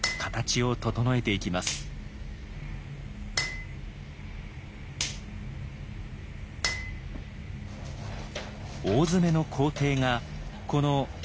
大詰めの工程がこの「焼き入れ」。